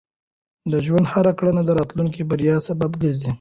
د ژوند هره کړنه د راتلونکي بریا سبب ګرځي.